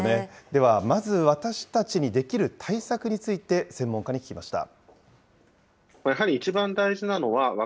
では、まず私たちにできる対策について、専門家に聞きました。